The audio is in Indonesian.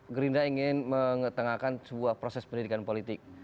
gerindra ingin mengetengahkan sebuah proses pendidikan politik